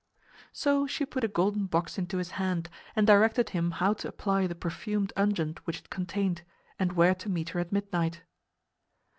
So she put a golden box into his hand and directed him how to apply the perfumed unguent which it contained, and where to meet her at midnight.